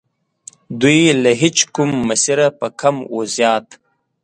دوی له هیچ کوم مسیره په کم و زیات.